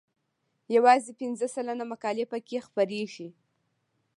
یوازې پنځه سلنه مقالې پکې خپریږي.